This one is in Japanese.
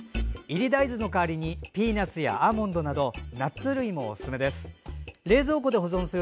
炒り大豆の代わりにピーナツやアーモンドなどナッツ類もおすすめです。